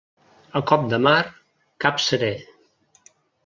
A cop de mar, cap seré.